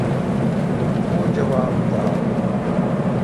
کو جواب داین۔